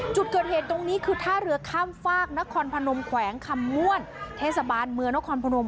จุดเกิดเหตุตรงนี้คือท่าเรือข้ามฟากนครพนมแขวงคำม่วนเทศบาลเมืองนครพนม